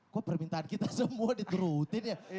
kok permintaan kita semua diturutin ya